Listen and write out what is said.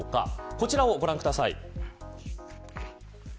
こちらをご覧ください。